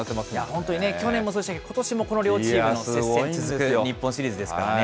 本当に去年もそうでしたけど、ことしもこの両チームの接戦続く日本シリーズですからね。